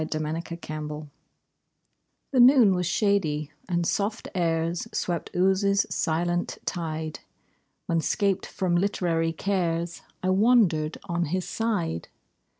BEAU AND THE WATER LILY The noon was shady, and soft airs Swept Ouse's silent tide, When 'scaped from literary cares I wandered on his side.